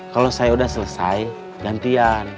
kalau saya udah selesai gantian